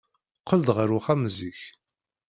Qqel-d ɣer uxxam zik.